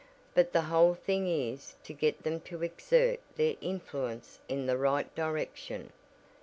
But the whole thing is to get them to exert their influence in the right direction.